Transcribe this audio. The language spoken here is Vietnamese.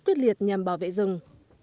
quyết liệt nhằm bảo vệ rừng